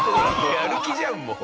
やる気じゃんもう。